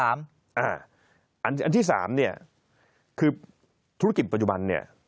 อันที่๓เนี่ยคือธุรกิจปัจจุบันเนี่ย